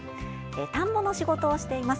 田んぼの仕事をしています。